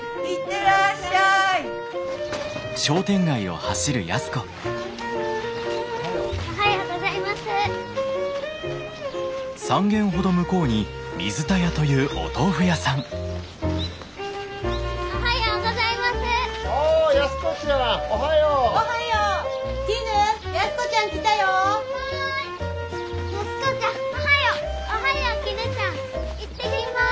行ってきます。